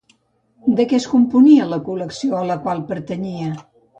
De què es componia la col·lecció a la qual pertanyia?